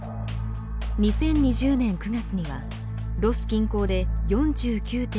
２０２０年９月にはロス近郊で４９．４℃を記録。